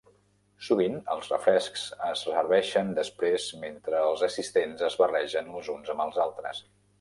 Sovint, els refrescs es serveixen després mentre els assistents es barregen els uns amb els altres.